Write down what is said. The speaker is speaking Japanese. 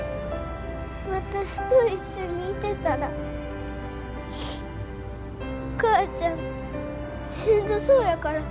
私と一緒にいてたらお母ちゃんしんどそうやから。